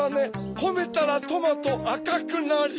ほめたらトマトあかくなり。